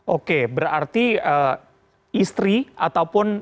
oke berarti istri ataupun